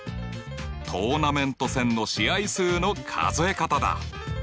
トーナメント戦の試合数の数え方だ！